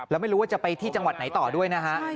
แล้วไม่รู้ว่าจะไปที่จังหวัดไหนต่อด้วยนะฮะ